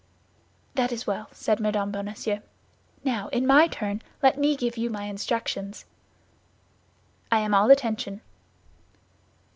"That is well," said Mme. Bonacieux. "Now, in my turn, let me give you my instructions." "I am all attention."